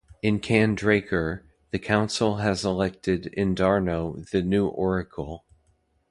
In Kandrakar, the Council has elected Endarno the new Oracle.